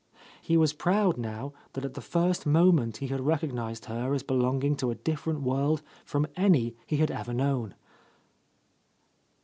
He was proud now that at the first moment he had recognized her as be longing to a different world from any he had ever known.